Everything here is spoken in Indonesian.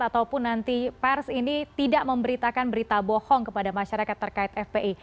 ataupun nanti pers ini tidak memberitakan berita bohong kepada masyarakat terkait fpi